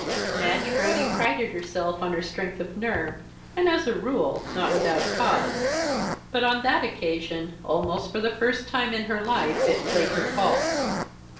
Madge Brodie prided herself on her strength of nerve, and as, a rule, not without cause. But, on that occasion, almost for the first time in her life it played her false.